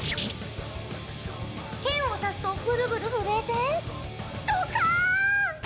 剣を刺すとブルブル震えてドカーン！